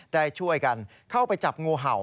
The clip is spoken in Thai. ได้ช่วยกันเข้าไปจับงูเห่า